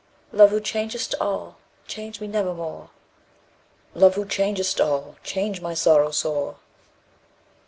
Love, who changest all, change me nevermore! "Love, who changest all, change my sorrow sore!"